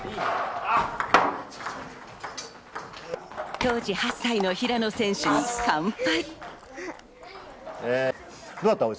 当時８歳の平野選手に完敗。